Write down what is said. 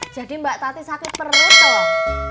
jadi mbak tati sakit perut loh